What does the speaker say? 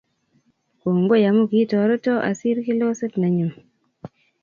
kongoi amu ketoreto asiir kiloset nenyu